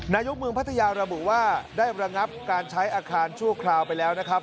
นายกเมืองพัทยาระบุว่าได้ระงับการใช้อาคารชั่วคราวไปแล้วนะครับ